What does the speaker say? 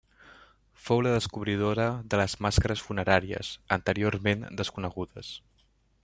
Fou la descobridora de les màscares funeràries, anteriorment desconegudes.